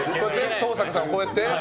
登坂さんをこうやって？